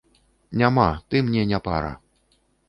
Няма, ты мне не пара.